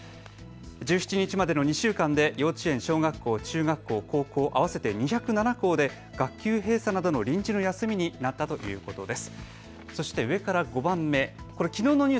１７日までの２週間で幼稚園、小学校、中学校、高校合わせて２０７校で学級閉鎖などの臨時の休みになったということです。